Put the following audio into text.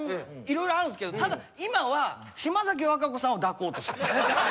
色々あるんですけどただ今は島崎和歌子さんを抱こうとしてます。